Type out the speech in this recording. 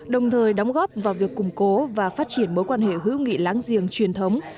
đồng thời đóng góp vào việc củng cố và phát triển mối quan hệ hữu nghị láng giềng truyền thống